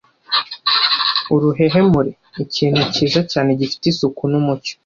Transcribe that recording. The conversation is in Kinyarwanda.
Uruhehemure: Ikintu kiza cyane gifite isuku n’umucyo.